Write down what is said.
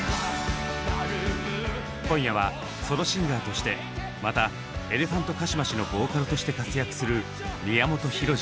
今夜はソロシンガーとしてまたエレファントカシマシのボーカルとして活躍する宮本浩次。